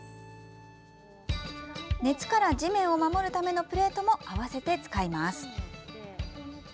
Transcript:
熱から地面を守るためのプレートも併せて使います。